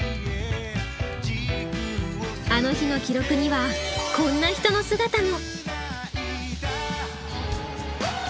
「あの日」の記録にはこんな人の姿も！